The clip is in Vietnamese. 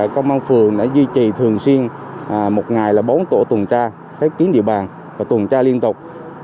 công an phường đã duy trì thường xuyên một ngày là bốn tổ tuần tra khép kín địa bàn và tuần tra liên tục